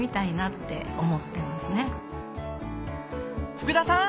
福田さん！